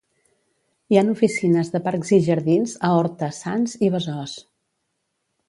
Hi han oficines de Parcs i Jardins a Horta, Sants i Besòs.